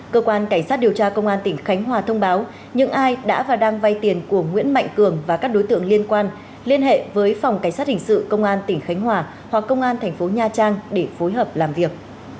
cơ quan cảnh sát điều tra công an tỉnh khánh hòa thông báo những ai đã và đang vay tiền của nguyễn mạnh cường và các đối tượng liên quan liên hệ với phòng cảnh sát hình sự công an tỉnh khánh hòa hoặc công an thành phố nha trang để phối hợp làm việc